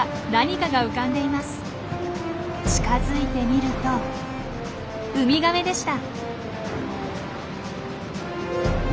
近づいてみるとウミガメでした。